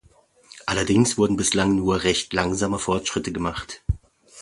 Allerdings wurden bislang nur recht langsame Fortschritte gemacht.